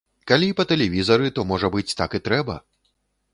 Калі па тэлевізары, то можа быць так і трэба.